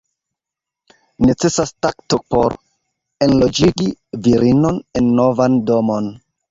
Necesas takto por enloĝigi virinon en novan domon.